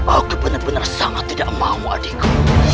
aku benar benar sangat tidak mau adikku